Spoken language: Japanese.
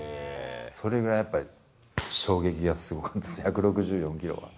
それぐらいやっぱり、衝撃がすごかったです、１６４キロは。